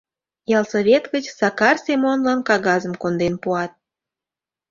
Ялсовет гыч Сакар Семонлан кагазым конден пуат.